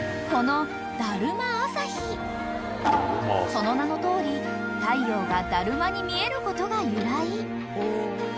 ［その名のとおり太陽がだるまに見えることが由来］